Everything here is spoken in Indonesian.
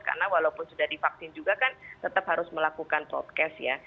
karena walaupun sudah divaksin juga kan tetap harus melakukan podcast ya